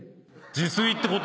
自炊ってこと？